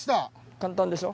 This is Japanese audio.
簡単でしょ？